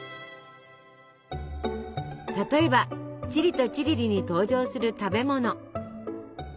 例えばチリとチリリに登場する食べ物。